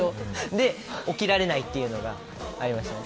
で、起きられないというのがありましたね。